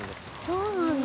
そうなんだ。